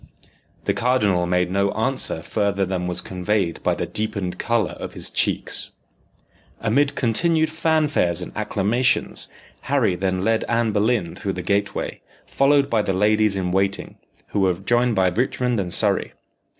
The cardinal made no answer further than was conveyed by the deepened colour of his cheeks. Amid continued fanfares and acclamations, Harry then led Anne Boleyn through the gateway, followed by the ladies in waiting, who were joined by Richmond and Surrey.